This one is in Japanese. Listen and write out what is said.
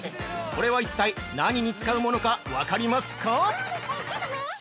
これは、一体何に使うものか分かりますか？